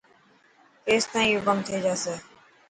ڪيس تائن ايئو ڪم ٿي جاسي.